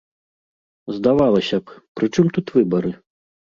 Здавалася б, пры чым тут выбары?